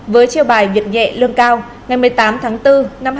với chiêu bài nhuệt nhẹ lương cao ngày một mươi tám tháng bốn năm hai nghìn hai mươi hai